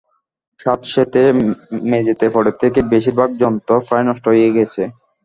স্যাঁতসেঁতে মেঝেতে পড়ে থেকে বেশির ভাগ যন্ত্র প্রায় নষ্ট হয়ে গেছে।